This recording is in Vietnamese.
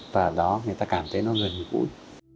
và ở đó người ta cảm thấy nó gần như cũi